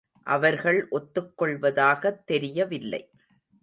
அவர்கள் ஒத்துக் கொள்வதாகத் தெரியவில்லை.